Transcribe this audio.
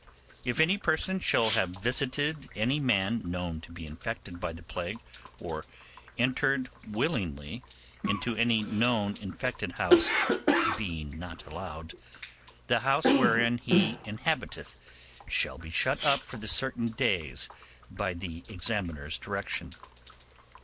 'If any person shall have visited any man known to be infected of the plague, or entered willingly into any known infected house, being not allowed, the house wherein he inhabiteth shall be shut up for certain days by the examiner's direction.